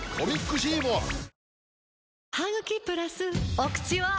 お口は！